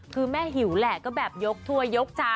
คือแม่หิวแหละก็แบบยกทัวร์ยกจ้า